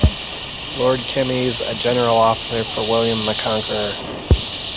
Lord Kemys, a general officer for William the Conqueror.